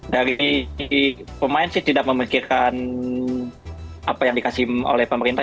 dari pemain sih tidak memikirkan apa yang dikasih oleh pemerintah